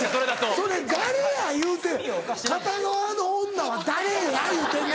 それ誰や言うてん片側の女は誰や言うてんねん。